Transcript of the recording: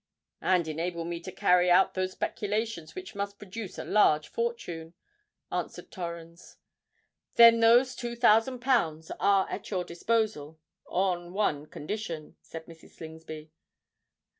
"And enable me to carry out those speculations which must produce a large fortune," answered Torrens. "Then those two thousand pounds are at your disposal, on one condition," said Mrs. Slingsby.